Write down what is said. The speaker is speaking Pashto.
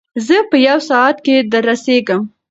زه په یو ساعت کې در رسېږم.